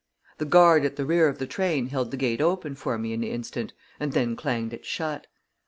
The guard at the rear of the train held the gate open for me an instant, and then clanged it shut.